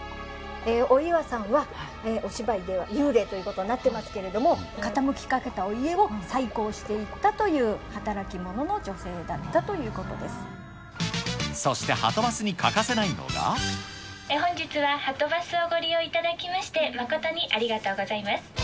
お岩さんは、お芝居では幽霊ということになってますけれども、傾きかけたお家を再興していったという働き者の女性だったというそしてはとバスに欠かせない本日は、はとバスをご利用いただきまして、誠にありがとうございます。